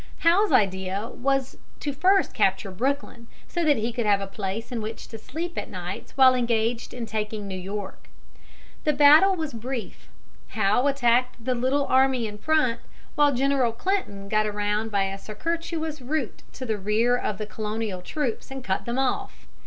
Howe's idea was to first capture Brooklyn, so that he could have a place in which to sleep at nights while engaged in taking New York. The battle was brief. Howe attacked the little army in front, while General Clinton got around by a circuitous route to the rear of the Colonial troops and cut them off.